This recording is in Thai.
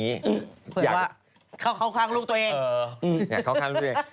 เอออยากเข้าข้างลูกตัวเอง